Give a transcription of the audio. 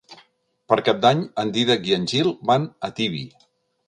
Per Cap d'Any en Dídac i en Gil van a Tibi.